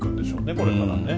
これからね。